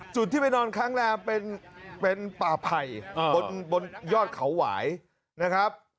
จุดที่ไปนอนค้างแรมเป็นป่าไผ่บนยอดเขาหวายนะครับ